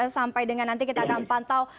sampai dengan nanti kita akan pantau